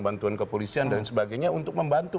bantuan kepolisian dan sebagainya untuk membantu